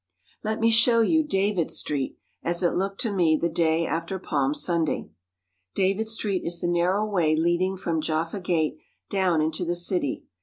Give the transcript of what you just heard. Let me show you David Street as it looked to me the day after Palm Sunday. David Street is the narrow way leading from Jaffa Gate down into the city.